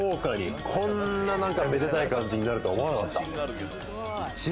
こんなめでたい感じになるとは思わなかった。